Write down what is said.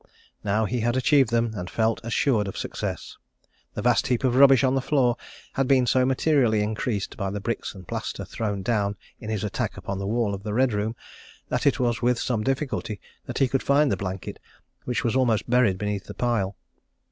Now he had achieved them, and felt assured of success. The vast heap of rubbish on the floor had been so materially increased by the bricks and plaster thrown down in his attack upon the wall of the Red Room, that it was with some difficulty that he could find the blanket, which was almost buried beneath the pile.